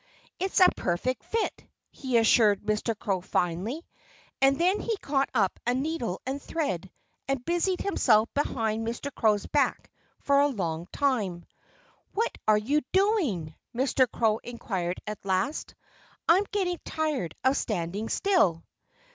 "It's a perfect fit," he assured Mr. Crow, finally. And then he caught up a needle and thread and busied himself behind Mr. Crow's back for a long time. "What are you doing?" Mr. Crow inquired at last. "I'm getting tired of standing still."